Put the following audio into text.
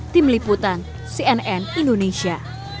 tim liputan cnn indonesia